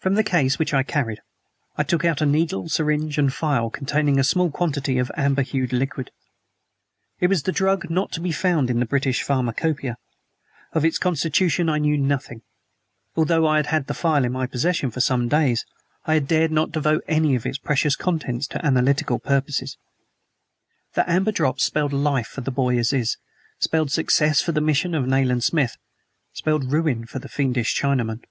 From the case which I carried I took out a needle syringe and a phial containing a small quantity of amber hued liquid. It was a drug not to be found in the British Pharmacopoeia. Of its constitution I knew nothing. Although I had had the phial in my possession for some days I had not dared to devote any of its precious contents to analytical purposes. The amber drops spelled life for the boy Aziz, spelled success for the mission of Nayland Smith, spelled ruin for the fiendish Chinaman.